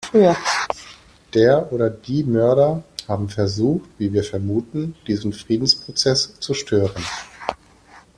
Der oder die Mörder haben versucht, wie wir vermuten, diesen Friedensprozess zu stören.